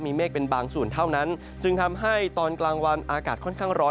มีเมฆเป็นบางส่วนเท่านั้นจึงทำให้ตอนกลางวันอากาศค่อนข้างร้อน